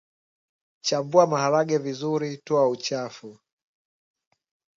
Chambua maharage vizuri toa uchafu